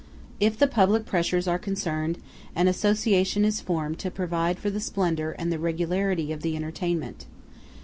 If the public pleasures are concerned, an association is formed to provide for the splendor and the regularity of the entertainment.